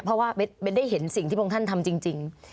เพราะว่าเบ้นได้เห็นสิ่งที่พระองค์ท่านทำจริง